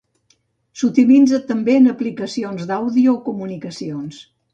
S'utilitzen també en aplicacions d'àudio o comunicacions.